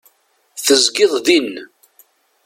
Tezgiḍ din.